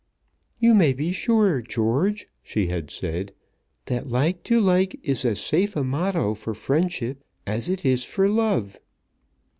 "You may be sure, George," she had said, "that like to like is as safe a motto for friendship as it is for love."